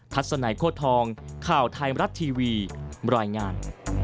ทัศน์ไหนโคทรทองข่าวไทยมรัฐทีวีบรายงาน